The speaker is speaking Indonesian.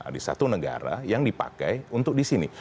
di satu negara yang dipakai untuk di sini